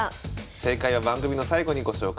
正解は番組の最後にご紹介します。